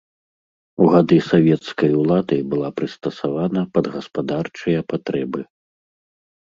У гады савецкай улады была прыстасавана пад гаспадарчыя патрэбы.